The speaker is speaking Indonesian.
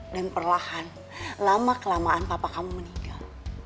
dan perlahan lama kelamaan papa kamu meninggal